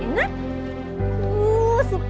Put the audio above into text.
enak ya suka